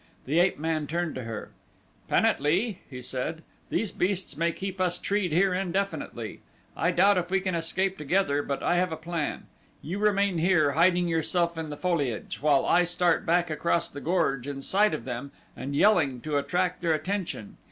The ape man turned to her. "Pan at lee," he said, "these beasts may keep us treed here indefinitely. I doubt if we can escape together, but I have a plan. You remain here, hiding yourself in the foliage, while I start back across the gorge in sight of them and yelling to attract their attention.